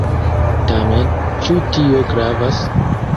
Tamen, ĉu tio gravas?